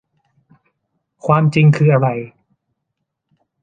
ความจริงคืออะไร